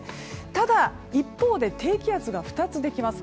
ただ、一方で低気圧が２つできます。